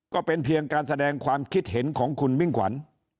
ก็เป็นเพียงการแสดงความคิดเห็นของคุณมิ่งขวัญ